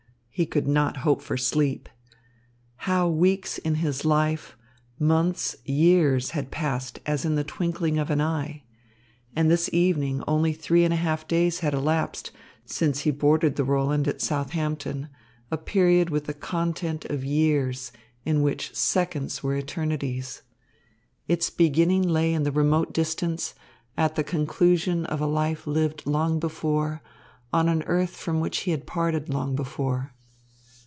He could not hope for sleep. How weeks in his life, months, years had passed as in the twinkling of an eye! And this evening only three and a half days had elapsed since he boarded the Roland at Southampton, a period with the content of years, in which seconds were eternities. Its beginning lay in the remote distance, at the conclusion of a life lived long before, on an earth from which he had parted long before.